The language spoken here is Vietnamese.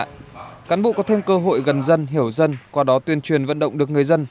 các cán bộ có thêm cơ hội gần dân hiểu dân qua đó tuyên truyền vận động được người dân